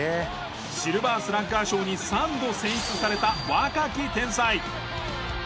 シルバースラッガー賞に３度選出された若き天才。